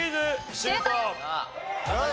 シュート！